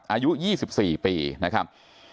อายุ๒๔ปีนะครับ